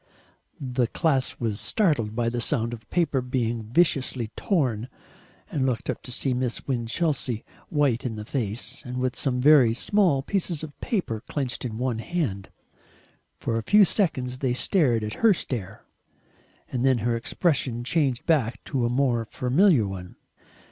The class was startled by the sound of paper being viciously torn, and looked up to see Miss Winchelsea white in the face, and with some very small pieces of paper clenched in one hand. For a few seconds they stared at her stare, and then her expression changed back to a more familiar one.